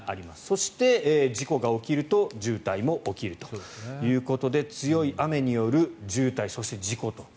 そして、事故が起きると渋滞も起きるということで強い雨による渋滞そして事故と。